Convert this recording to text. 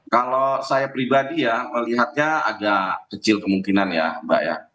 kalau saya pribadi ya melihatnya agak kecil kemungkinan ya mbak ya